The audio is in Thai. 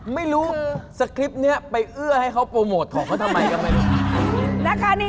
ไม่รู้สคริปท์เนี่ยไปเอื้อให้เขาโปรโมทของเขาทำไมกัน